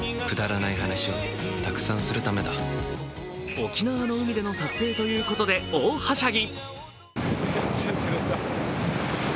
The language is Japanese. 沖縄の海での撮影ということで大はしゃぎ。